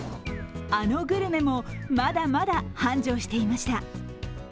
あのグルメもまだまだ繁盛していました。